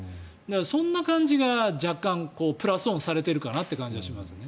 そんな感じがプラスオンされてるかなって気がしますね。